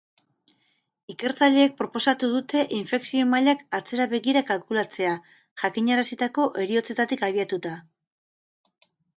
Ikertzaileek proposatu dute infekzio-mailak atzera begira kalkulatzea, jakinarazitako heriotzetatik abiatuta.